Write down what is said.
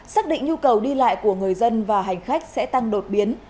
xác định nhu cầu đi lại của người dân và hành khách sẽ tăng đột biến